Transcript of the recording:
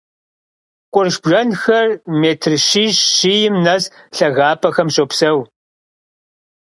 Къурш бжэнхэр метр щищ-щийм нэс лъагапӀэхэм щопсэу.